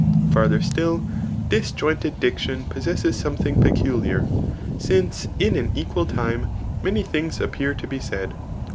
Farther stiil, disjointed diction pos sesses something peculiar ; since in an equal time numy things appear to be said.